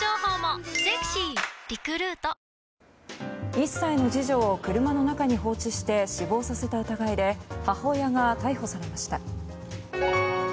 １歳の次女を車の中に放置して死亡させた疑いで母親が逮捕されました。